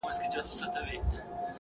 که ترخه شراب ګنا ده او حرام دي,